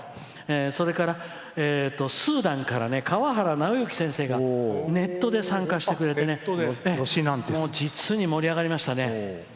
それから、スーダンから川原尚行先生がネットで参加してくれて実に盛り上がりましたね。